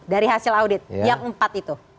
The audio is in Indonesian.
dari hasil audit yang empat itu